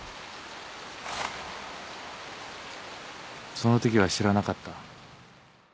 そのときは知らなかった。